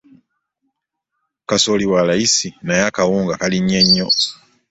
Kasooli wa layisi naye akawunga kalinnye nnyo.